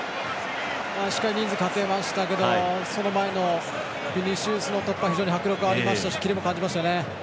しっかり人数かけましたがその前のビニシウスのところ迫力ありましたしキレも感じましたね。